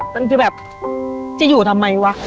มันคือแบบจะอยู่ทำไมวะ